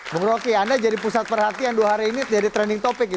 bung roky anda jadi pusat perhatian dua hari ini jadi trending topic gitu